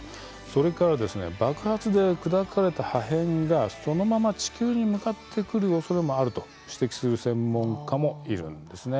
それから爆発で砕かれた破片がそのまま地球に向かってくるおそれもあると指摘する専門家もいるんですね。